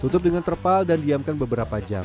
tutup dengan terpal dan diamkan beberapa jam